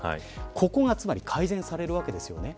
ここがつまり改善されるわけですよね。